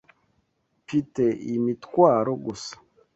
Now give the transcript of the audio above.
Mfite iyi mitwaro gusa.